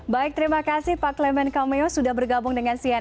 baik terima kasih pak clement cameo sudah bergabung dengan cnn